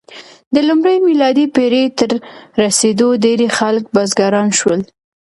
د لومړۍ میلادي پېړۍ تر رسېدو ډېری خلک بزګران شول.